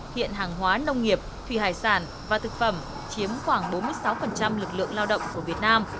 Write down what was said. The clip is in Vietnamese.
hiện hàng hóa nông nghiệp thủy hải sản và thực phẩm chiếm khoảng bốn mươi sáu lực lượng lao động của việt nam